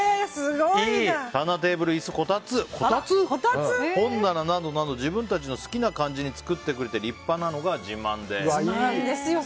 棚、テーブル、椅子、こたつ本棚などなど自分たちの好きな感じに作ってくれて立派なのが自慢です。